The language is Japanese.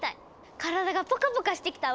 体がポカポカしてきたわ。